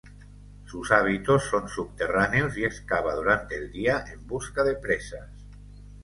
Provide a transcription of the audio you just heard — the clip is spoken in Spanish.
Sus hábitos son subterráneos y excava durante el día en busca de presas.